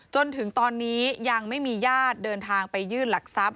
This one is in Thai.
จนถึงตอนนี้ยังไม่มีญาติเดินทางไปยื่นหลักทรัพย